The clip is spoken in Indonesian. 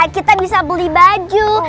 kita bisa beli baju